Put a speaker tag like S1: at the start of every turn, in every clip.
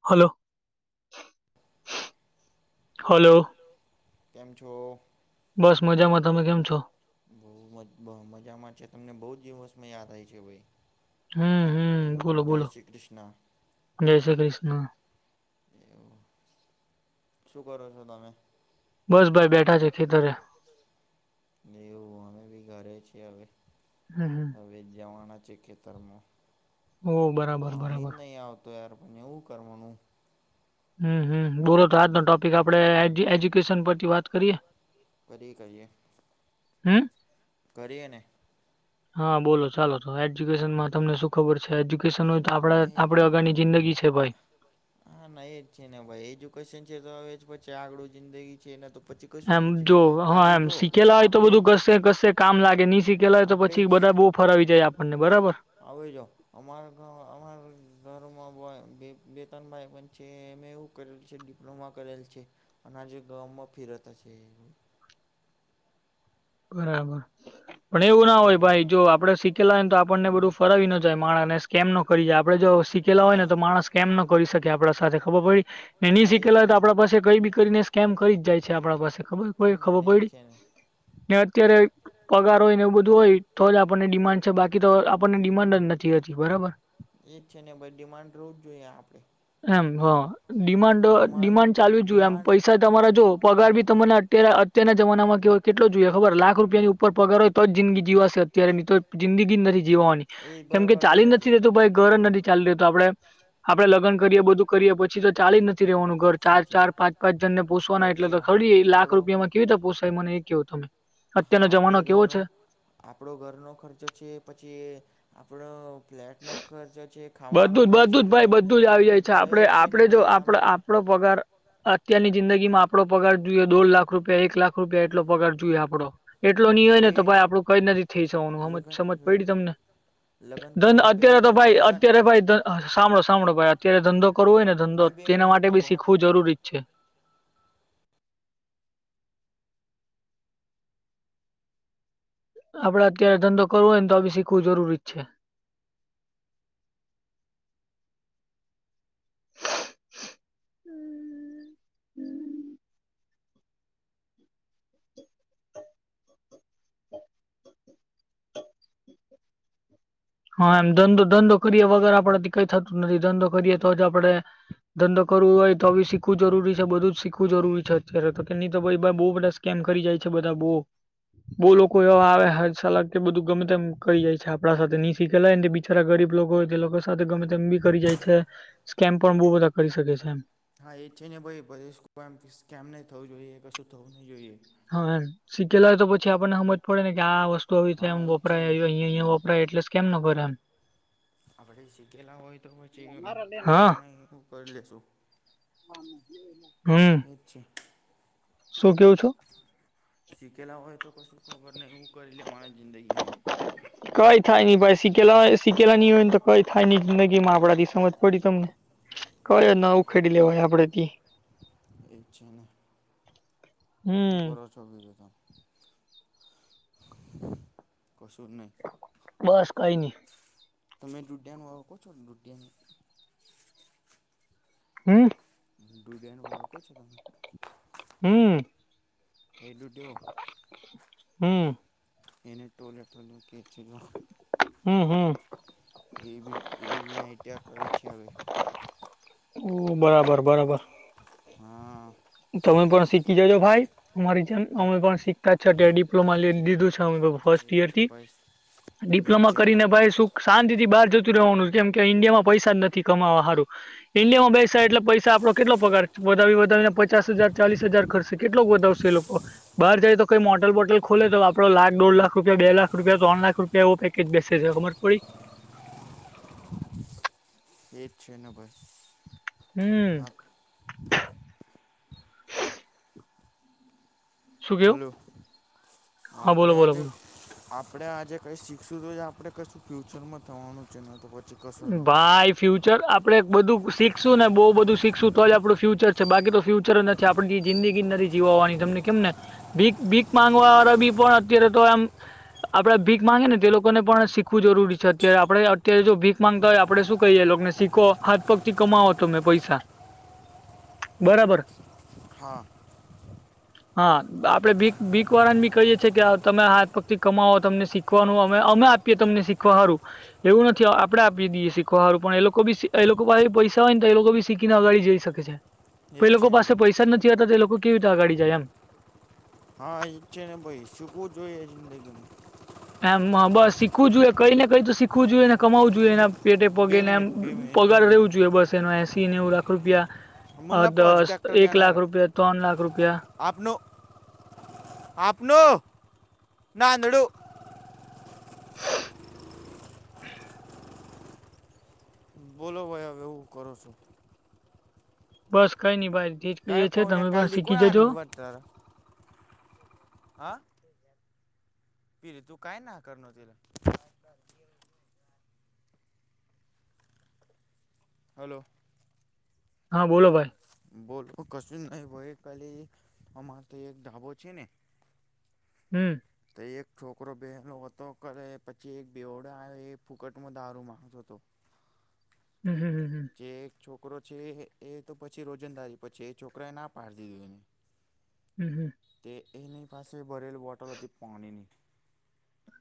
S1: Hello hello
S2: કેમ છો
S1: બસ મજામાં તમે કેમ છો
S2: બહુ મજામાં છે તમને બહુ જ દિવસમાં યાદ આવી છે ભાઈ
S1: હમ હમ બોલો
S2: જય
S1: બોલો
S2: શ્રી કૃષ્ણ.
S1: જય શ્રી કૃષ્ણ
S2: એવું શું કરો છો તમે
S1: બસ ભાઈ બેઠા છે ખેતરે
S2: એવું અમે બી ઘરે છીએ હવે
S1: હમ્મ
S2: હવે જવાણા છે ખેતરમા
S1: ઓ બરાબર
S2: પાણી
S1: બરાબર
S2: નહી આવત તો યાર પણને એવું કરવાનું
S1: હમ્મ હમ્મ બોલો તો આજનો ટોપિક આપડે એજ્યુકેશન પરથી વાત કરીએ
S2: કરીયે
S1: હમ
S2: કરીએને
S1: હા બોલો ચાલો તો એજ્યુકેશન માં તમને શું ખબર છે એજ્યુકેશન આપડા
S2: એ જો
S1: આપડે અગાની જિંદગી છે ભાઈ
S2: હા ના એ જ છે ને ભાઈ એજુકેશન છે તો હવે પછી આગળું જિંદગી છેને તો પછી કશું
S1: એમ
S2: જ નથી.
S1: જો હા
S2: આજે
S1: એમ
S2: જો
S1: શીખેલા હોય તો
S2: આપણેે
S1: બધું
S2: જ
S1: કશે કશે કામ લાગે નહી શીખેલા હોય તો
S2: આપણેે
S1: પછી બધા બહ ફરા વી જાય આપણને બરાબર
S2: આવે જા અમારા અમારા ઘરોમાં બે તણ ભાઈ પણ છે એમ એવું કરેલ છે ડિપ્લોમા કરેલ છે અને આ જે ગામમાં ફિરતા છે એ
S1: બરાબર પણ એવું ના હોય ભાઈ જો આપડણે શીખેલા હોય ને તો આપણને બધું ફરવી ન જાય માણા ને સ્કેમ નો કરી આપડે જો શીખેલા હોય ને
S2: હા
S1: તો માણસ કેમ ન કરી શકે આપડા સાથે ખબર પડી એ ની
S2: હા
S1: શીખેલા
S2: છે
S1: હોય તો
S2: ને
S1: આપડા પાસે કઈ બી કરીને સ્કેમ કરી જ જાય છે આપણા પાસે ખબર કો
S2: હમ
S1: ખબર
S2: એ
S1: પડીડી
S2: છે ને
S1: ને અત્યારે પગાર હોય ને એવું બધું હોય તો જ આપણને ડિમાન્ડ છે બાકી તો આપણને ડિમાન્ડ જ નથી હતી બરાબર
S2: એજ છે ને ભાઈ ડિમાન્ડ રવું જ જોઈએ આપડે
S1: એમ હ ડિમાન્ડ ડિમાન્ડ ચાલુ જોએ એમ
S2: ડિમાન્ડ
S1: પૈસા તમારા જો પગાર ભી તમને અત્યારે તેના જમાનામાં કેવાય કેટલો જોઈએ ખબ લાખ રૂપિયાની ઉપર પગાર હોય તો જિંદગી જીવાશે અત્યારે ની તો જિંદગી જ નથી જીવવાની
S2: એ
S1: કેમ કે
S2: બરોબર
S1: ચાલી
S2: બોલે છે
S1: નથી રેતું ભાઈ ઘર નથી ચાલી રહ્યું તો આપડે આપડે લગ્ન કરીએ બધું કરીએ પછી તો ચાલી જ નથી રહેવાનું ઘર ચાર
S2: પછી
S1: ચાર પાંચ પાંચ જન ને પોસવાના એટલે
S2: ખર્ચો
S1: તો ખરીડી લાખ
S2: આપણો
S1: રૂપિયામાં કેવી રીતે પોસાય મને એ કેવું તમે
S2: હા,
S1: અત્યારનો
S2: આપણે
S1: જમાનો કેવો
S2: ઘરનો
S1: છે
S2: આપણો ઘરનો ખર્ચો છે પછી આપણો ફ્લેટનો ખર્ચો છે ખાવાનો
S1: બધું જ
S2: ખર્ચો
S1: બધું જ
S2: છે
S1: ભાઈ બધું જ આવી જાય છે
S2: ભાઈ
S1: આપડણે
S2: જ છે ને
S1: આપડે જો
S2: ભાઈ
S1: આપ
S2: એનામાં જ
S1: આપડો પગાર અત્યારની જિંદગીમાં આપડો પગાર જોઈએ દોઢ લાખ રૂપિયા એક લાખ કૃપિયા એટલો પગાર જોઈએ આપડો એટલો ની હોય ને
S2: આપણે
S1: તો ભાઈ આપડું કઈ નથી થઈ જવાનુંજ
S2: લગન
S1: સમજ પડી તમને
S2: લગ્ન
S1: ધન
S2: કરવા પહેલે
S1: અત્યારે તો
S2: છે
S1: ભાઈ
S2: લગ્ન
S1: અત્યારે ભાઈ સાંભળો સાંભળો ભાઈ અત્યારે ધંધો કરવો હોય ને ધંધો
S2: ભાઈ બે
S1: તેના
S2: મિનિટ
S1: માટે બી
S2: થાંભો હાકી
S1: શીખવું જરૂરી જ છે આપડે અત્યારે ધંધો કરવો હોય ને તો આ બી શીખવું જરૂરી જ છે હમ્મ હા એમ ધંધો ધંધો કરીએ વગર આપડેથી કઈ થતું જ નથી ધંધો કરીએ તો જ આપડે ધંધો કરવો હોય તો બી શીખવું જરૂરી છે બધું જ શીખવું જરૂરી છે અત્યારે તો કેની તો ભાઈ બહુ બધ કેમ કરી જાય છે બધા બો બવ લોકો એવા આવે હ સલા કે બધું ગમે તેમ કરી જાય છે આપણા સાથે હીખેલાય ને બિચારા ગરીબ લોકો હોય તે લોકો સાથે ગમે તેમ બી કરી જાય છે સ્કેમ પણ બહુ બધા કરી શકે છે એમ
S2: હા, એ છે ને, ભાઈ ભલે સ્કેમ નહી થવું જોઈએ, કશું થવું નહી જોઈએ.
S1: હા એમ સીખેલા હોય તો પછી આપણને હમજ પડે ને કે આ વસ્તુ આવી રીતે
S2: હા
S1: એમ
S2: એજ છે
S1: વપરાય
S2: ને
S1: અહીયાં અહંયાપ તો એટલે કેમ ન કરો એમ
S2: આપણે શીખેલા હોય તો પછી
S1: એમ
S2: ખબર
S1: હા
S2: નહી એ કરી લેશુ
S1: [inaudible]
S2: ઠીક છે
S1: શું કેવો છો
S2: શીખેલા હોય તો કશું ખબર નહીં એવું કરી લે મારા જિંદગીમાં
S1: [inaudible] કઈ થાય નઈ ભાઈ શીખેલા સીખેલા નઈ હોય ને કઈ થાય નઈ જિંદગીમાં આપડાથી સમજ પડી તમને કયન ઉખેડી લેવાય આપડે થી
S2: એ છેને હુ
S1: હમ
S2: કરો છો [unintelligible] કશું નહી
S1: બસ કઈ નઈ
S2: તમે ડુડિયાનું આડકો છો ને ડુડિયાને
S1: હમ્મ
S2: ડુડીયાનો ઓળકો છો
S1: હમ્મ
S2: હે ડુંટીયો
S1: હમ્મ
S2: એને ટોલેટોલેટ કે તો
S1: હમ હમ
S2: એ એવી [unintelligible] કર છે હવે
S1: બરાબર બરાબર
S2: હમ્મ
S1: તમે પણ શીખી જજો ભાઈ મરી અમે પણ શીખતા છ્યારે ડિપ્લોમા લ દીધું છે અમે ફર્સ્ટ
S2: એ જ
S1: યર
S2: છે
S1: થી
S2: ભાઈ એ જ
S1: ડિપ્લોમા
S2: છે
S1: કરી ને ભાઈ શું શાંતિ થી બહાર જતું રહેવાનું જેમ કે ઈન્ડિયામાં પૈસા જ નથી કમાવા સારું ઇન્ડિયા બેસાાય એટલે પસા આપડો કેટલો પગાર વધાવી વધાવીને પછી પચાસ હજાર ચાલીસ હજાર ખર્શે કેટલો વધાવશે લોકો બાર જાય તો કઈ મોટલ બોટલ ખોલે તો આપડો લાખો લાખ રૂપિયા બે લાખ રૂપિયા ત્ર લાખ રૂપિયા એવે કેટ બેચસે છે ખબર પડી
S2: એ જ છે ને ભઈ
S1: હમ્મ શું કેવું
S2: હેલો
S1: હા બોલો
S2: આપડે આજ
S1: બોલો બોલો
S2: આપડે આજે કઈ શીખશું તો આપડે કશું ફ્યુચરમાં થવાનું છે નત
S1: ભાઈ ફ્યુચર આપણે એક બધું શીખશું ને બહુ બધું શીખશું તો જ આપણું ફ્યુચર છે બાકી તો ફ્યુચર નથી આપણે જિંદગી નથી જીવવાની તમને કેમ ને ભીક ભીક માંગવા વાળા બી પણ અત્યારે તો એમ આપડે ભીખ માંગે ને તે લોકોને પણ શીખવું જરૂરી છે અત્યારે આપડે અત્યારે જો ભીખ માંગતા હોય આપડે શું કહીએ લોકને શીખો હાથ પગ થી કમાવો તમે પૈસા બરાબર
S2: હા
S1: હા આપડે ભી ભીક વારન બી કહીએ કે તમે હાથ પગથી કમાવો તમને શીખ શીખવાનું અમે અમે આપીએ તમને શીખવાારું એવું નથી આપડણે આપી દઈએ શીખવાળું પણ એ લોકો બી એ લોકો પાસે પૈસા હોય ને તો એ લોકો બી શીખીનેગા જઈ શકે છે તો
S2: જ
S1: એ લોકો
S2: છે ને
S1: પાસે પૈસા જ નથી આવતા તો એ લોકો કેવી રીતે આગાડી જાય એમ
S2: હા ઈચ્છે ને ભાઈ શુંકું જોઈએ જિંદગીમાં
S1: એમ બસ શીખવું જોઈએ કઈને કઈ તો શીખવું જોઈએ ને કમાવું જોએ એને પેટે
S2: બે
S1: પગી ને એમ
S2: મિનિટ બે મિનિટ
S1: પગાર
S2: હા બે
S1: રવું
S2: મિનિટ
S1: જોએ બસ એનો એસી ને એવું લાખ રૂપિયા અ
S2: મુન્ના પહોંચ
S1: દસ એક લાખ રૂપિયા ત્રણ લાખ રૂપિયા
S2: આપનો આપનો નાંદડો બોલો ભાઈ હવે એવું કરો છો
S1: બસ કઈ નઈ ભાઈ જે જ
S2: કાંઈ
S1: કહીએ છે
S2: પહોંચને
S1: તમે
S2: કાલ
S1: પણ
S2: દી કોણ
S1: શીખી જજો
S2: [inaudible] હ પીરી તું કઈ ના હકાર ન તલા હલો
S1: હા બોલો ભાઈ
S2: બોલ કશું નહી ભાઈ કાલી અમારે તો એક ધાબો છે ને
S1: હમ્મ
S2: તો એક છોકરો બહેનો હતો કરે પછી એક બેવડો આવે એ ફૂકટમાં દારૂ માંગ તો તો
S1: હમ્મ હમ્મ
S2: જે એક છોકરો છે એ તો પછી રોજંદારી પછી એ છોકરાએ ના પાડી દીધો એને
S1: હમ્મ હમ્મ
S2: તે એને પાસે ભરેલ બોટલ હતી પોણીની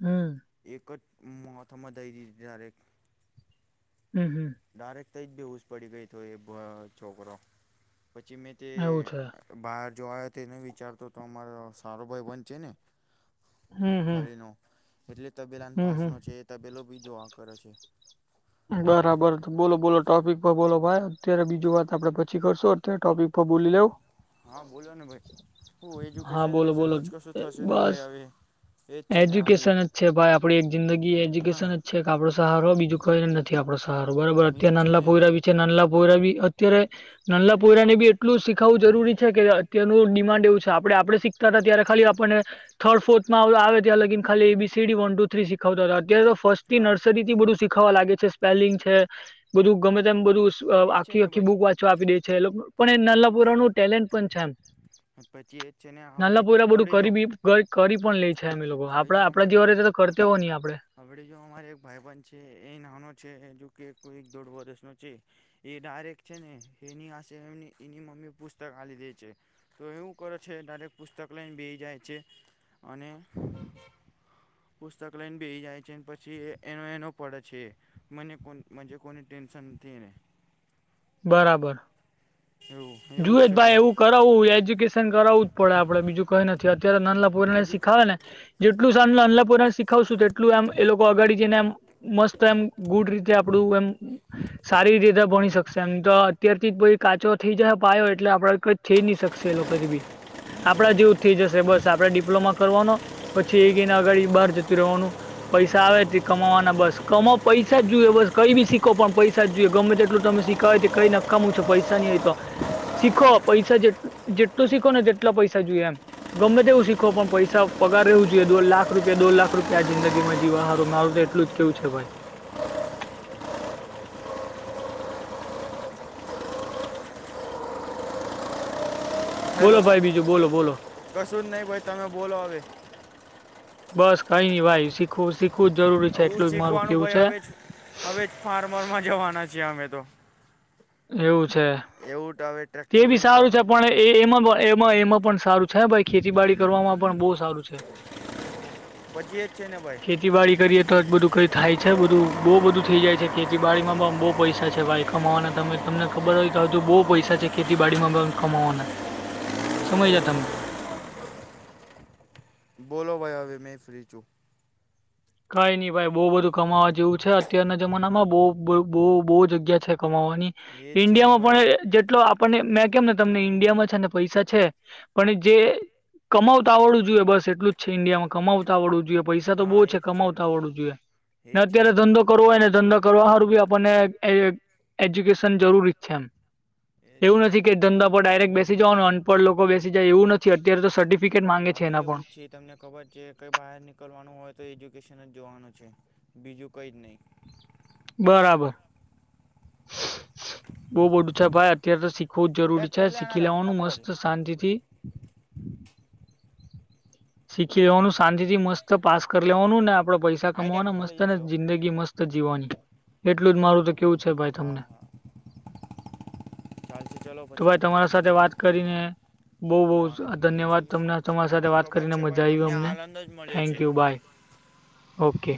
S1: હમ્મ
S2: એકટ મહત્મા જયારે
S1: હમ્મ હમ્મ
S2: ડાયારેક્ટ થઈ જ બ હઉસ પડી ગઈ તો એ છોકરો પછી મેં તે
S1: એવું છે.
S2: બહાર જો આવ તો એ નને વિચારતો તો અમારો સારો ભાઈ બન છે ને
S1: હમ હમ
S2: ખળનો એટલે તબેલાન
S1: હમ
S2: ફાસનો
S1: હમ
S2: છે એ તબેલો બીજોઆ કરે છે
S1: બરાબર બોલો બોલો ટોપિક પર બોલો ભાઈ અત્યારે બીજું વાત આપડે પછી કરશો તે ટોપિક પર બોલી લેવ
S2: હા બોલો ને ભાઈ હું
S1: હા
S2: એજ્યુકેશન
S1: બોલો
S2: રશે
S1: બોલો
S2: તો જ કશું થશે ને
S1: બસ
S2: ભાઈ હવે એજ છે ને આપડી
S1: એજ્યુકેશન જ છે ભાઈ આપડી એક જિંદગી એજ્યુકેશન
S2: હા
S1: જ છે એક આપડો સહાર હોય બીજું કોઈને નથી આપડો સારો બરોબર અત્ય
S2: એજ છે
S1: નાના
S2: ને
S1: પોઈરા છે નનલા પોયરા બી અત્યારે નનલા પોયરા ને બી એટલું શીખાવવું જરૂરી છે કે તેનું ડિમાન્ડ એવું છે આપણે આપડણે શીખતા હતા ત્યારે ખાલી આપણને થર્ડ ફોર્થમાં આવે ત્યાં લગીને ખાલી B C D one two three શીખાવતા હતા અત્યારે તો ફર્સ્ટથી
S2: હા
S1: નર્સરી થી બધું શીખાવા લાગે છે સ્પેલિંગ છે બધું ગમે તેમ બધું
S2: એજ છે
S1: આખી
S2: ને
S1: આખી
S2: ભાઈ
S1: બુક વાંચવા આપી દે છે એ પણ એ નાનાપુરા નનું ટેલેન્ટ પણ છે એમ
S2: પછી એ છે ને આવડે
S1: નાના પોયરા બધું
S2: આવડે જો
S1: કરી બી કરી પણ લે છે અમે લોકો આપણા આપણા જેવા રીતે તો કરતા હોય નહી આપે
S2: હળ જો અમારે એક ભાઈબન છે એ નાનો છે જો કે કોઈ એક દોઢ વર્ષનો છે એ ડાયરેક્ટ છે ને એની આસે એ એની મમ્મી પુસ્તકલીધે છે તો એવું કરે છે ડાયરેક્ટ પુસ્તક લયને બેય જાય છે અને પુસ્તક લઈને બે જાય છે પછી એ નાનો પડે છે મને કોન મનજે કોની ટેન્શન નથી એને
S1: બરાબર
S2: હેલો
S1: જુએ જ ભાઈ એવું કરાવવું એજ્યુકેશન કરાવવું જ પડે આપડે બીજું કઈ નથી અત્યારે નાનલા પોરને
S2: એજુ કે
S1: શીખાવે ને જેટલું સાન અનલાપુરાને શીખાવશું તેટલું એમ એ લોકો અગાડી જઈને એમ મસ્ત એમ ગુડ રીતે આપડું એમ સારી રીતે ભણી શકશે એમ તો અત્યારથી કાચો થઈ જાય પાયો એટલે આપડે કઈ થઈ નહી શકશે એ લોકો બી આપડા જેવું થઈ જશે બસ આપડે ડિપ્લોમા કરવાનો પછી એ એને અગાડી બહાર જતું રહેવાનું પૈસા આવે કમાવાના બસ કમાો પૈસા જ જોઈએ બસ કઈ બી શીખો પણ પૈસા જ જોઈએ ગમે તેટલું તમે શીખ કઈ કઈ નકામું છે પૈસા નની હોય તો શીખો પૈસા જે જેટલું શીખો ને જેટલા પૈસા જોઈએ એમ ગમે તેવું શીખો પણ પૈસા પગાર રહેવું જોઈએ દો લાખ રૂપિયા દોઢ લાખ રૂપિયા આ જિંદીમાં જીવાહારો મારું તો એટલું જ કેવું છે ભાઈ
S2: હેલો
S1: બોલો ભાઈ બીજું બોલો બોલો
S2: કશું જ નહીં ભાઈ તમે બોલો હવે
S1: બસ કઈ નઈ ભાઈ શીખવું શીખવું જ જરૂરી છે
S2: આવું
S1: એટલું જ મારું કેવું છે
S2: ફાર્મર માં જવાના છીએ અમે તો
S1: એવું છે
S2: એવું હવે
S1: તે
S2: ટ્રેક્ટર
S1: બી
S2: લઈને
S1: સારું
S2: ફાર્મ
S1: છે પણ એ એમાં માં એમાં પણ સારું છે ભાઈ ખેતી બાડી કરવામાં પણ બહુ સારું ખેતી
S2: પછી એ જ છે ને ભાઈ
S1: ખેતીવાડી કરીએ તો જ બધું કઈ થાય છે બધું બહુ બધું થઈ જાય છે ખેતીવાડીમાં પણ બહુ પૈસા છે વાય કમાવાના તમે તમને ખબર હોય તો હજુ બહુ પૈસા છે ખેતી બાડીમાં કમાવાના સમય જા તમે
S2: બોલો ભાઈ હવે મેં ફ્રી છું
S1: કઈ નઈ ભાઈ બહુ બધું કમાવા જેવું છે અત્યારના જમાનામાં બહ બહ બહુ જગ્યા છે કમાવાની
S2: એજ છે ને
S1: ઇન્ડિયા માં
S2: ભાઈ
S1: પણ જેટલો પણ મેં કેમ ને તમને ઈન્ડિયામાં છે ને પૈસા છે પણ જે કમાવતા આવડું જોઈએ બસ એટલું જ છે ઇન્ડિયામાં કમાવતા આવળવું જોઈએ પૈસા તો બહુ
S2: હા
S1: છે
S2: એજ ને
S1: કમાવતા આવળવુ જોઈએ ને
S2: એજ છે
S1: અત્યારે ધંધો કરવો એને ધંધો કરવા સારું બી આપણને એજ્યુકેશન જરૂરી જ છે એમ
S2: એજ
S1: એવું
S2: છે ને
S1: નથી કે
S2: ભાઈ
S1: ધંધા પર ડાયરેક્ટ બેસી જવાનુ અનપડ લોકો બેસી જાય એવું નથી અત્યારે તો સર્ટિફિકેટ માંગે છે એના
S2: હવે
S1: પણ
S2: ઉ તમને ખબર છે કંઈ બહાર નીકળવાનું હોય તો એજ્યુકેશન જ જોવાનું છે બીજું કંઈ જ નહીં
S1: બરાબર. બઉ બધું છે ભાઈ અત્યારે તો શીખવું જ જરૂરી
S2: ટ્રેક્ટર
S1: છે
S2: લઈ આના
S1: શીખી
S2: રમૂ ના
S1: લેવાનું
S2: પહોંચે
S1: મસ્ત શાંતિ થી. શીખી લેવાનું શાંતિ થી મસ્ત પાસ કરી લેવાનું ને આપડે પૈસા
S2: આ
S1: કમાવાના
S2: ટ્રેક્ટર
S1: મસ્ત
S2: લઈ
S1: ને
S2: જશે હો.
S1: જિંદગી મસ્ત જીવાની એટલું જ મારું તો કેવું છે ભાઈ તમને
S2: દયાન થી ચલાવ -
S1: તો ભાઈ તમારા સાથે વાત કરીને બહુ બહ
S2: આનંદ મળ્યો છે
S1: ધન્યવાદ
S2: ને
S1: તમને તમારી
S2: મને
S1: સાથે વાત
S2: ખબર
S1: કરીને
S2: છે ભાઈ
S1: મજા આવી
S2: તમને
S1: અમને
S2: આનંદ જ મળ્યો છે
S1: થેન્કયુ બાય ઓકે